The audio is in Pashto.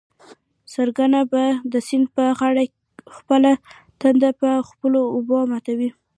څرنګه به د سیند پر غاړه خپله تنده په خپلو اوبو ماتوو.